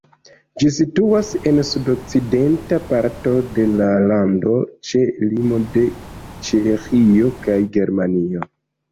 Ĝi situas en sudokcidenta parto de la lando ĉe limoj de Ĉeĥio kaj Germanio.